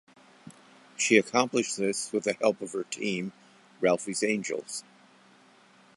She accomplished this with the help of her team, "Ralphie's Angels".